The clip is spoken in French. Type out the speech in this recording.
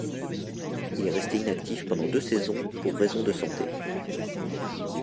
Il est resté inactif pendant deux saisons pour raisons de santé.